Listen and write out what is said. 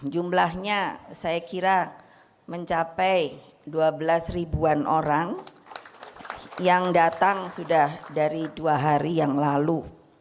jumlahnya saya kira mencapai dua belas ribuan orang yang datang sudah dari dua hari yang lalu